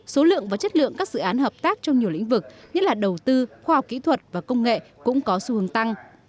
số lượng và chất lượng các dự án hợp tác trong nhiều lĩnh vực nhất là đầu tư khoa học kỹ thuật và công nghệ cũng có xu hướng tăng